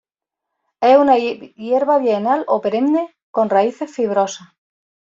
Es una hierba bienal o perenne, con raíces fibrosas.